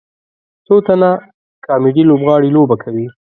څو تنه کامیډي لوبغاړي لوبه کوي.